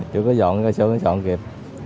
chưa có dọn chưa có dọn kịp